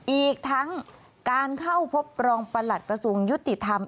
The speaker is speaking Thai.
อีกทั้งการเข้าพบรองประหลัดกระทรวงยุติธรรม